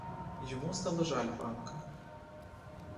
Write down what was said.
Йому стало жаль панка.